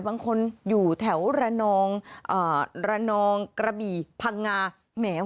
บางคนอยู่แถวระนองระนองกระบี่พังงาแหม